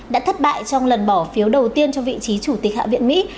đã thất bại trong lần bỏ phiếu đầu tiên cho vị trí chủ tịch hạ viện mỹ